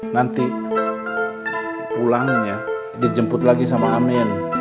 nanti pulangnya dijemput lagi sama amin